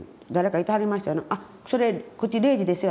「あっそれこっちレジですよ」